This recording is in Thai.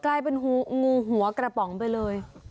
กลายเป็นงูหัวกระป๋องไปเลย